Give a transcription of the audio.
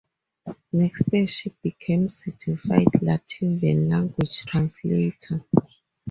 Next year she became certified Latvian language translator.